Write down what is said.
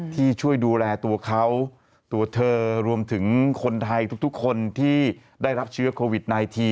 ที่ช่วยดูแลตัวเขาตัวเธอรวมถึงคนไทยทุกคนที่ได้รับเชื้อโควิด๑๙